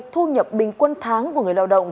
thu nhập bình quân tháng của người lao động